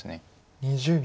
２０秒。